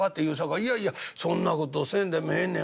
『いやいやそんな事せんでもええねん。